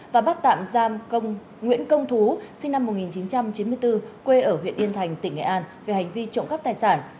và bắt tạm giam nguyễn công thú sinh năm một nghìn chín trăm chín mươi bốn quê ở huyện yên thành tỉnh nghệ an về hành vi trộm cắp tài sản